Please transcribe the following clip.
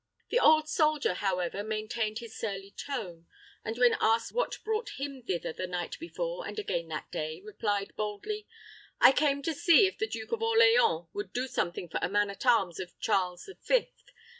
The old soldier, however, maintained his surly tone, and when asked what brought him thither the night before and again that day, replied boldly, "I came to see if the Duke of Orleans would do something for a man at arms of Charles the Fifth.